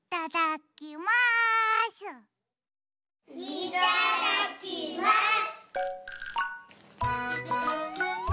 いただきます！